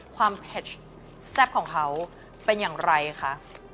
ความเพจร้อนแซ่บของเขาเป็นอย่างไรคะ